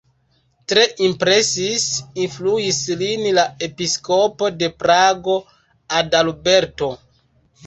Tre impresis, influis lin la episkopo de Prago, Adalberto.